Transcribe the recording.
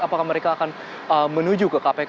apakah mereka akan menuju ke kpk